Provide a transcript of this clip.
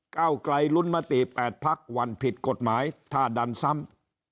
เก้าไกลลุ้นมติ๘พักวันผิดกฎหมายถ้าดันซ้ำ